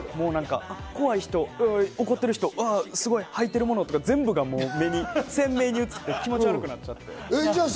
怖い人、怒ってる人、履いているもの、全部が鮮明に映って、気持ち悪くなっちゃって。